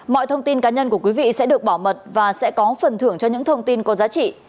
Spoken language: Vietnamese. mọi thông tin cá nhân của quý vị sẽ được bảo mật và sẽ có phần thưởng cho những thông tin có giá trị